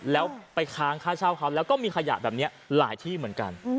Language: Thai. แล้วไปค้างค่าเช่าเขาแล้วก็มีขยะแบบนี้หลายที่เหมือนกัน